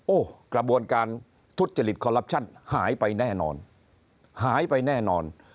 โอ้กระบวนการทุจจฤทธิ์หายไปแน่นอนหายไปแน่นอน